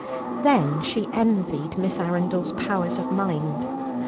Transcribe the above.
Then she envied Miss Arundel's powers of mind.